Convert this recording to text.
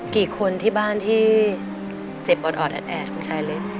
กี่คนที่บ้านที่เจ็บออดแอดคุณชายเล็ก